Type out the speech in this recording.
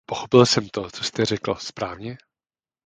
Pochopil jsem to, co jste řekl, správně?